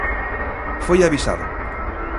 Foi avisado.